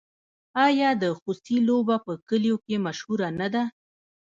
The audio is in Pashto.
آیا د خوسي لوبه په کلیو کې مشهوره نه ده؟